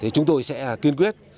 chúng tôi sẽ kiên quyết